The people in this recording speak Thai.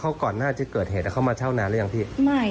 เขาก่อนหน้าที่เกิดเหตุเขามาเช่านานหรือยังพี่ไม่